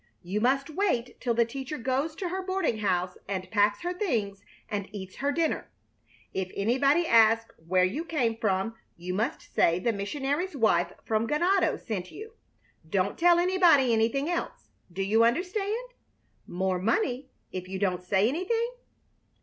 "You must wait till the teacher goes to her boarding house and packs her things and eats her dinner. If anybody asks where you came from you must say the missionary's wife from Ganado sent you. Don't tell anybody anything else. Do you understand? More money if you don't say anything?"